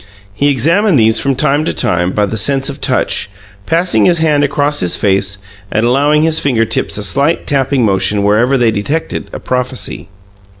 He examined these from time to time by the sense of touch, passing his hand across his face and allowing his finger tips a slight tapping motion wherever they detected a prophecy.